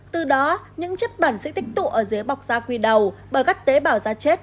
từ đó những chất bản sẽ tích tụ ở dưới bọc da quy đầu bởi các tế bào da chết